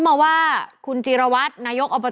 แฮปปี้เบิร์สเจทู